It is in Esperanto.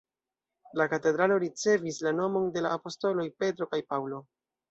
La katedralo ricevis la nomon de la apostoloj Petro kaj Paŭlo.